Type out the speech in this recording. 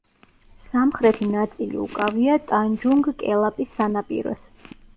სამხრეთი ნაწილი უკავია ტანჯუნგ–კელაპის სანაპიროს.